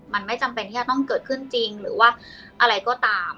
มันไม่จำเป็นที่จะต้องเกิดขึ้นจริงหรือว่าอะไรก็ตาม